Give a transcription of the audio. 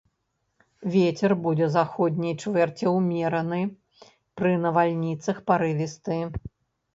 Вецер будзе заходняй чвэрці ўмераны, пры навальніцах парывісты.